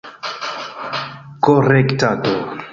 korektado